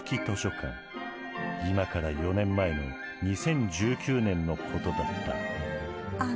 いまから４年前の２０１９年のことだった。